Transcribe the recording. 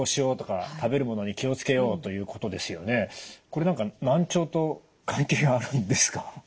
これ何か難聴と関係があるんですか？